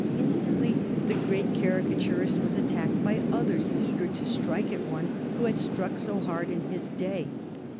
Instantly the great caricaturist was attacked by others eager to strike at one who had struck so hard in his day.